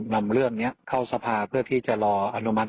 นำเรื่องนี้เข้าสภาเพื่อที่จะรออนุมัติ